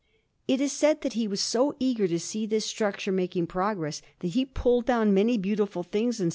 It is said that he was so eager to see this structure making progress, that he pulled down many beautiful things in S.